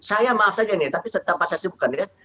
saya maaf saja nih tapi setelah saya sibukkan ya